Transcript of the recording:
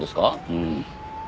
うん。